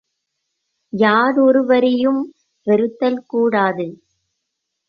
யாரொருவரையும் வெறுத்தல் கூடாது.